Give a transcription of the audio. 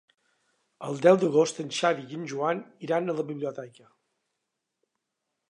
El deu d'agost en Xavi i en Joan iran a la biblioteca.